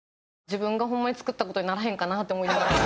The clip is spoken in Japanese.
自分がホンマに作った事にならへんかなって思いながら。